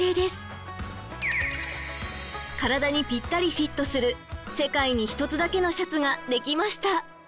からだにぴったりフィットする世界に一つだけのシャツができました。